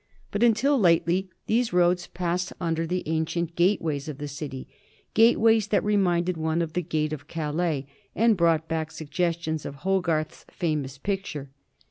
But until lately these roads passed under the ancient gate ways of the city — ^gate ways that reminded one of the Gate of Calais, and brought back suggestions of Hogarth's famous picture.